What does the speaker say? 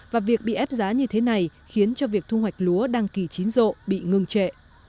và việc bị ép giá như thế này khiến cho việc thu hoạch lúa đăng kỳ chín rộ bị ngừng trệ